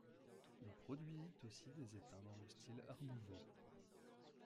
Il produisit aussi des étains dans le style Art nouveau.